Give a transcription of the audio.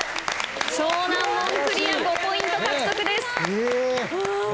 超難問クリア５ポイント獲得です。